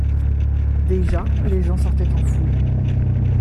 Déjà les gens sortaient en foule.